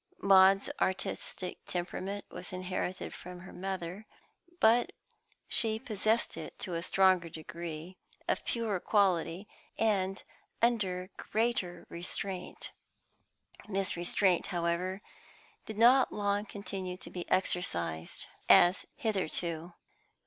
Maud's artistic temperament was inherited from her mother, but she possessed it in a stronger degree, of purer quality, and under greater restraint. This restraint, however, did not long continue to be exercised as hitherto.